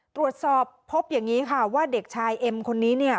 ตรวจสอบพบอย่างนี้ค่ะว่าเด็กชายเอ็มคนนี้เนี่ย